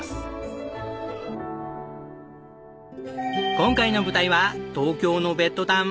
今回の舞台は東京のベッドタウン